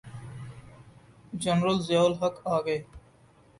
General Zia ul-Haq آ گئے۔